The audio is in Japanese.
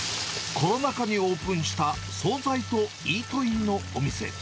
コロナ禍にオープンした総菜とイートインのお店。